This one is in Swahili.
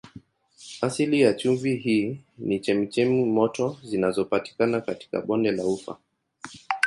Asili ya chumvi hii ni chemchemi moto zinazopatikana katika bonde la Ufa.